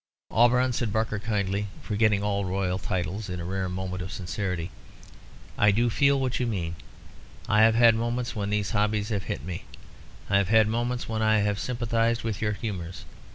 "Auberon," said Barker, kindly, forgetting all royal titles in a rare moment of sincerity, "I do feel what you mean. I have had moments when these hobbies have hit me. I have had moments when I have sympathised with your humours.